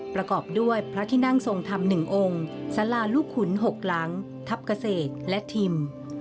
ประกอบด้วยพระที่นั่งทรงธรรม๑องค์สาราลูกขุน๖หลังทัพเกษตรและทิม